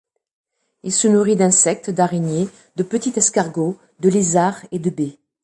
Il se nourrit d'insectes, d'araignées, de petits escargots, de lézards et de baies.